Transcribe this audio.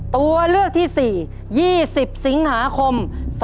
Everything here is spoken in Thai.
ตัวเลือกที่๔๒๐สิงหาคม๒๕๖